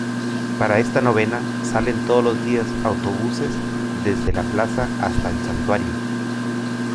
Para esta novena salen todos los días autobuses desde La Plaza hasta el santuario.